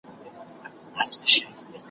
د اورنګ خنجر يې پڅ کی `